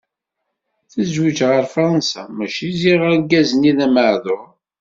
Tezweǧ ɣer Fransa, maca ziɣ argaz-nni d ameɛḍur.